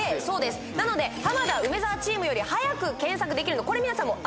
そうですなので浜田梅沢チームより早く検索できるのこれ皆さん